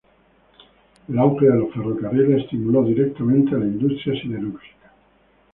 El auge de los ferrocarriles estimuló directamente a la industria siderúrgica.